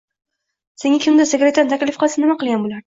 Senga kimdir sigaretani taklif qilsa, nima qilgan bo‘larding?